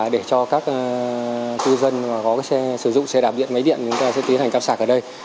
để cho các cư dân có xe sử dụng xe đạp điện máy điện sẽ tiến hành cắp sạc ở đây